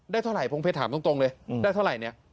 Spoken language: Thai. ได้เท่าไหร่พงเพชรถามตรงตรงเลยอืมได้เท่าไหร่เนี้ย